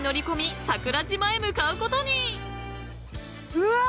うわ！